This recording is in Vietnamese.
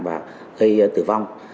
và gây tử vong